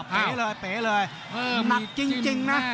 เป๋เลยเป๋เลยหนักจริงนะ